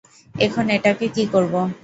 এখন এটাকে কী করব?